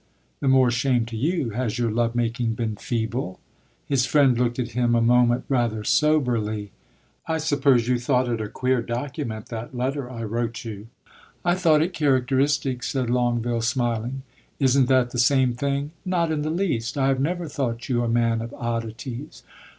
"The more shame to you! Has your love making been feeble?" His friend looked at him a moment rather soberly. "I suppose you thought it a queer document that letter I wrote you." "I thought it characteristic," said Longueville smiling. "Is n't that the same thing?" "Not in the least. I have never thought you a man of oddities."